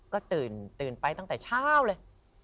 ก็ตื่นไปตั้งแต่เช้าเลย